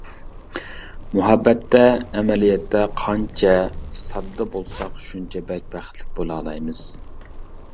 مۇھەببەتتە، ئەمەلىيەتتە قانچە ساددا بولساق شۇنچە بەك بەختلىك بولالايمىز.